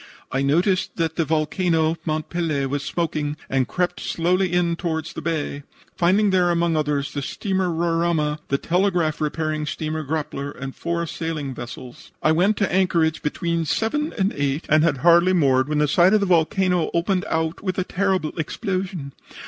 I noticed that the volcano, Mont Pelee, was smoking, and crept slowly in toward the bay, finding there among others the steamer Roraima, the telegraph repairing steamer Grappler and four sailing vessels. I went to anchorage between 7 and 8 and had hardly moored when the side of the volcano opened out with a terrible explosion.